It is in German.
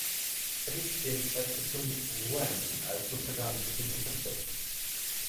Es ist dem Erzbistum Rouen als Suffraganbistum unterstellt.